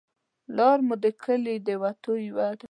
لار مو د کلي د وتو یوه ده